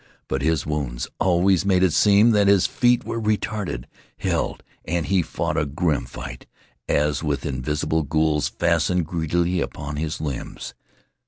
But his wounds always made it seem that his feet were retarded, held, and he fought a grim fight, as with invisible ghouls fastened greedily upon his limbs.